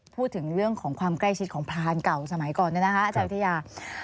พูดถึงเรื่องของความใกล้ชิดของพรานเก่าสมัยก่อนเนี่ยนะคะอาจารย์วิทยา